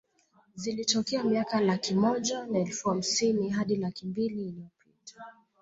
Zilitokea miaka laki moja na elfu hamsini hadi laki mbili iliyopita